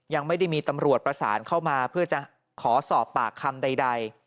ยังไม่ได้มีตำรวจประสานเข้ามาเพื่อจะขอสอบปากคำใด